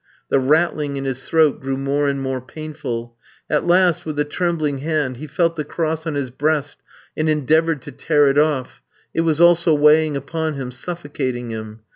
The rattling in his throat grew more and more painful. At last, with a trembling hand, he felt the cross on his breast and endeavoured to tear it off; it was also weighing upon him, suffocating him.